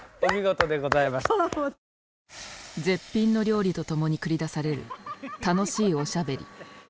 絶品の料理とともに繰り出される楽しいおしゃべり。